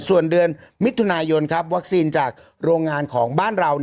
ส่วนเดือนมิถุนายนวัคซีนจากโรงงานของบ้านเรา